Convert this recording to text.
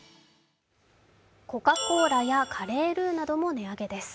コカ・コーラやカレールーなども値上げです。